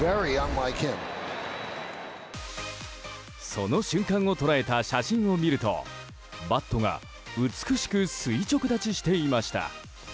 その瞬間を捉えた写真を見るとバットが美しく垂直立ちしていました。